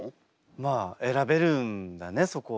まあ選べるんだねそこは。